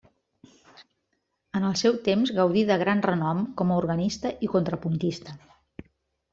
En el seu temps gaudí de gran renom com a organista i contrapuntista.